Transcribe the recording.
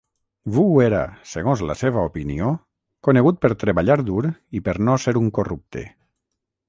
Wu era, segons la seva opinió, conegut per treballar dur i per no ser un corrupte.